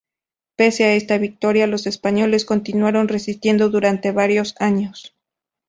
Pese a esta victoria, los españoles continuaron resistiendo durante varios años.